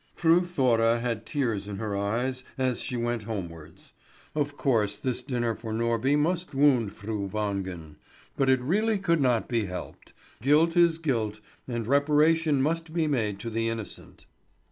Fru Thora had tears in her eyes as she went homewards. Of course this dinner for Norby must wound Fru Wangen, but it really could not be helped. Guilt is guilt, and reparation must be made to the innocent.